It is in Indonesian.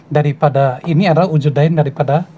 daripada ini adalah wujud dain daripada